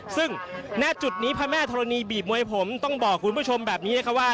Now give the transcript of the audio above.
ซึ่งณจุดนี้พระแม่ธรณีบีบมวยผมต้องบอกคุณผู้ชมแบบนี้นะคะว่า